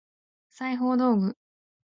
裁縫道具